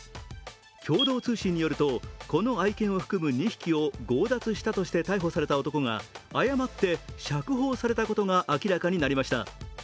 共同通信によるとこの愛犬を含む２匹を強奪したとして逮捕された男が誤って釈放されたことが明らかになりました。